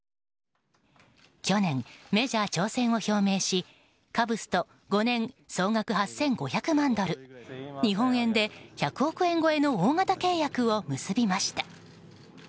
去年、メジャー挑戦を表明しカブスと５年総額８５００万ドル日本円で１００億円超えの大型契約を結びました。